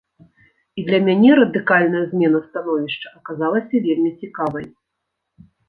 І для мяне радыкальная змена становішча аказалася вельмі цікавай.